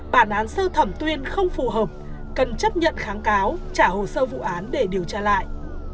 bản án sơ thẩm tuyên không phù hợp cần chấp nhận kháng cáo trả hồ sơ vụ án để điều tra lại